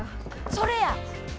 それや！